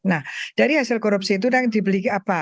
nah dari hasil korupsi itu dibeli apa